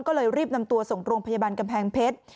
ก็เลยรีบนำตัวส่งโรงพยาบาลกำแพงเพชร